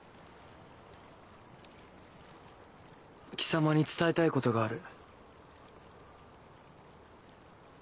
貴様に伝えたいことがある。